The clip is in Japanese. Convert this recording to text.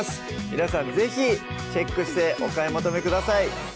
皆さん是非チェックしてお買い求めください